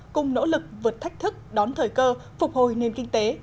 cùng nỗ lực vượt thách thức đón thời cơ phục hồi nền kinh tế